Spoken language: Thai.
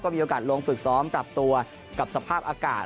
มีโอกาสลงฝึกซ้อมปรับตัวกับสภาพอากาศ